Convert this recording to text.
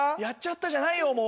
「やっちゃった」じゃないよ